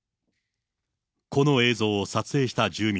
この映像を撮影した住民。